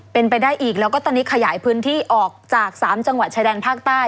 เป็นไปได้อีกแล้วก็ตอนนี้ขยายพื้นที่ออกจาก๓จังหวัดชายแดนภาคใต้